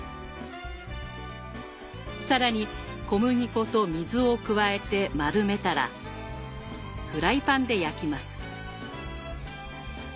更に小麦粉と水を加えて丸めたらフライパンで焼きます。